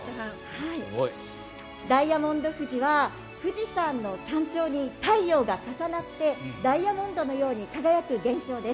ダイヤモンド富士は富士山の山頂に太陽が重なってダイヤモンドのように輝く現象です。